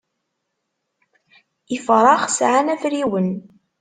Ifrax sɛan afriwen.